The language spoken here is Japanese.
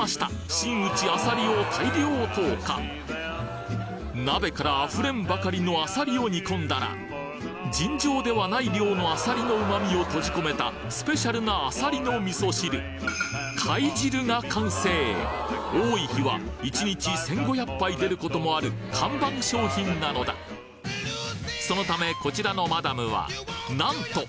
真打ちあさりを大量投下鍋から溢れんばかりのあさりを煮込んだら尋常ではない量のあさりの旨味を閉じ込めたスペシャルなあさりの味噌汁貝汁が完成多い日は１日１５００杯出ることもある看板商品なのだそのためこちらのマダムはなんと！